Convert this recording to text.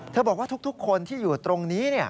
บอกว่าทุกคนที่อยู่ตรงนี้